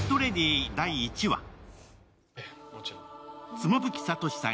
妻夫木聡さん